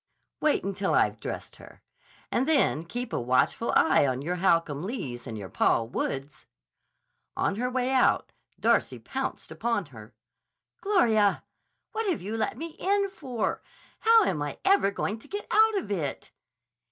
Wait until I've dressed her. And then keep a watchful eye on your Holcomb Lees and your Paul Woods!" On her way out Darcy pounced upon her. "Gloria! What have you let me in for? How am I ever going to get out of it?"